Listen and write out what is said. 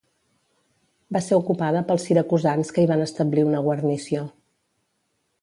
Va ser ocupada pels siracusans que hi van establir una guarnició.